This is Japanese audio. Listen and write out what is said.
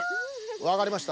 わかりました。